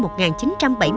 và cũng đến đây